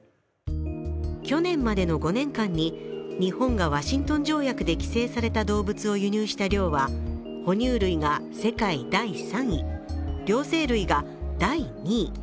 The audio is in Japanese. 去年までの５年間に日本がワシントン条約で規制された動物を輸入した量は哺乳類が世界第３位、両生類が第２位。